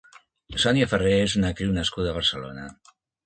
Sonia Ferrer és una actriu nascuda a Barcelona.